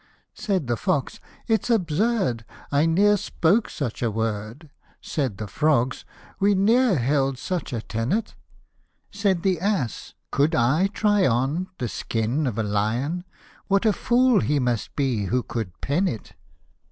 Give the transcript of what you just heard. " Said the fox, " Its absurd ! I ne'er spoke such a word ;" Said the frogs, " We ne'er held such a tenet ;" Said the ass, " Could I try on the skin of a lion ? What a fool he must be who could pen k !